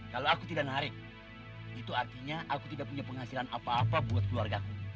kalau aku tidak narik itu artinya aku tidak punya penghasilan apa apa buat keluargaku